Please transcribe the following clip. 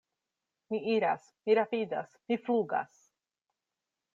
Mi iras, mi rapidas, mi flugas!